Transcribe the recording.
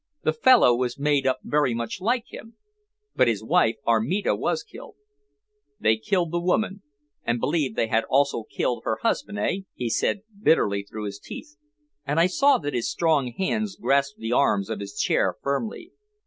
The fellow was made up very much like him. But his wife Armida was killed." "They killed the woman, and believed they had also killed her husband, eh?" he said bitterly through his teeth, and I saw that his strong hands grasped the arms of his chair firmly.